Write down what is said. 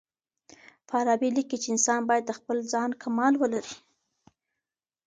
فارابي ليکي چي انسان بايد د خپل ځان کمال ولري.